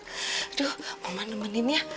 aduh mama nemeninnya